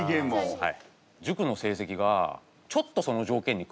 はい。